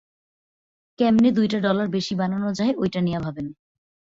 ক্যামনে দুইটা ডলার বেশি বানানো যায়, ওইটা নিয়া ভাবেন।